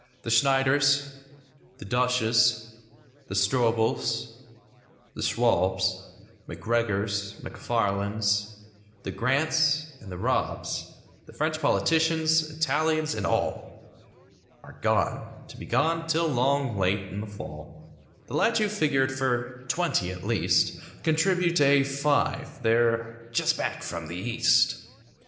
The Schneiders; the Dusches; the Stroebels; the Schwalbs; McGregors; McFarlands; the Grants and the Robbs The French politicians; Italians and all. Are gone, to be gone 'till 'long late in the fall. The lads that you figured for "twenty" at least Contribute a "five"—they're "just back from the east."